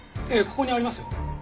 ここにありますよ。